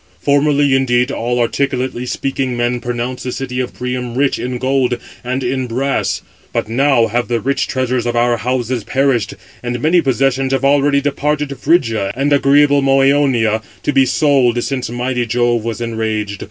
Formerly indeed all articulate speaking men pronounced the city of Priam rich in gold and in brass; but now have the rich treasures of our houses perished, and many possessions have already departed to Phrygia and agreeable Mœonia, to be sold, since mighty Jove was enraged.